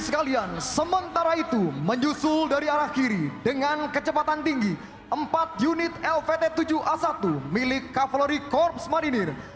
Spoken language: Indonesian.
kri sultan hasanuddin